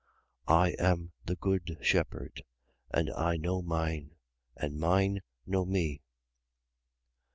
10:14. I am the good shepherd: and I know mine, and mine know me.